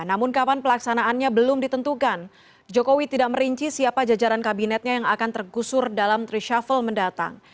namun kapan pelaksanaannya belum ditentukan jokowi tidak merinci siapa jajaran kabinetnya yang akan tergusur dalam reshuffle mendatang